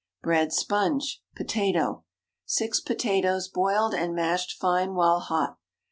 BREAD SPONGE (Potato.) ✠ 6 potatoes, boiled and mashed fine while hot.